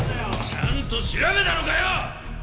ちゃんと調べたのかよ！